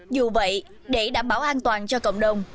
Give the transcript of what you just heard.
dù vậy để đảm bảo an toàn cho cộng đồng